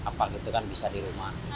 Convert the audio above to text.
apa gitu kan bisa di rumah